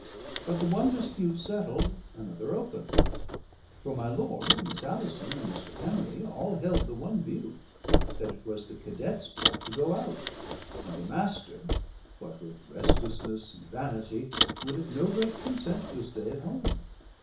But the one dispute settled, another opened. For my lord, Miss Alison, and Mr. Henry all held the one view: that it was the cadet's part to go out; and the Master, what with restlessness and vanity, would at no rate consent to stay at home.